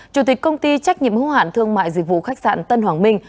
chủ tịch công ty trách nhiệm hữu hạn thương mại dịch vụ khách sạn tân hoàng minh